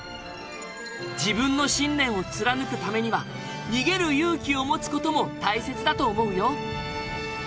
自分の信念を貫くためには逃げる勇気を持つ事も大切だと思うよ。